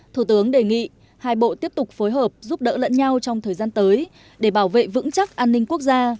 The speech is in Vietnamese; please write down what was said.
thủ tướng đề nghị hai bộ tiếp tục phối hợp giúp đỡ lẫn nhau trong thời gian tới để bảo vệ vững chắc an ninh quốc gia